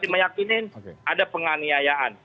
kami masih meyakini ada penganiayaan